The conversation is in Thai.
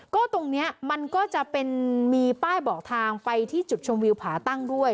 ก็ตรงนี้มันก็จะเป็นมีป้ายบอกทางไปที่จุดชมวิวผาตั้งด้วย